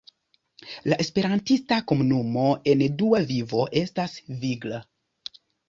La esperantista komunumo en Dua Vivo estas vigla.